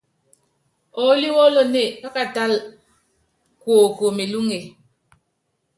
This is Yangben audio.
Oólí wólonée, pákatála kuoko melúŋe.